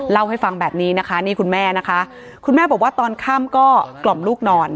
เล่าให้ฟังแบบนี้นะคะนี่คุณแม่นะคะคุณแม่บอกว่าตอนค่ำก็กล่อมลูกนอน